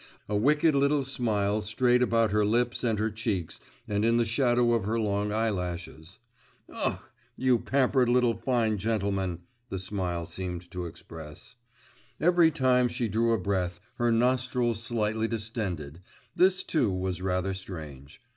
A wicked little smile strayed about her lips and her cheeks and in the shadow of her long eyelashes. 'Ugh, you pampered little fine gentleman!' this smile seemed to express. Every time she drew a breath, her nostrils slightly distended this, too, was rather strange.